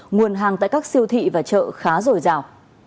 nguồn hàng tại các siêu thị và chợ khá dồi dào